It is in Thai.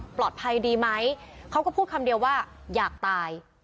ปลอดภัยดีไหมเขาก็พูดคำเดียวว่าอยากตาย